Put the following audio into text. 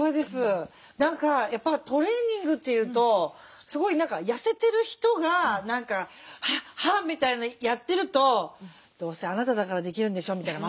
何かやっぱトレーニングっていうとすごい何か痩せてる人が何かハアハアみたいなやってると「どうせあなただからできるんでしょ」みたいな